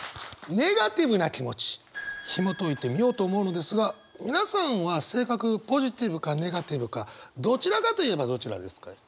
ネガティブな気持ちひもといてみようと思うのですが皆さんは性格ポジティブかネガティブかどちらかといえばどちらですか？